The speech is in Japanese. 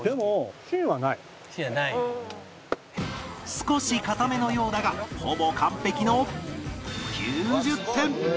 少し硬めのようだがほぼ完璧の９０点